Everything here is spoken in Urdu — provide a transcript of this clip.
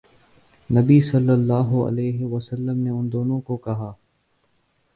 نبی صلی اللہ علیہ وسلم نے ان دونوں کو کہا